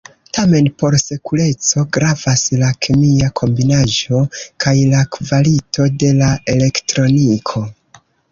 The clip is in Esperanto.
Tamen por sekureco gravas la kemia kombinaĵo kaj la kvalito de la elektroniko.